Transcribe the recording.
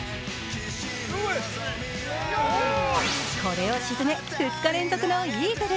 これを沈め、２日連続のイーグル。